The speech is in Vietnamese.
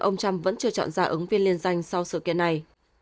ông trump vẫn chưa chọn ra ứng viên liên danh sau sự kiện này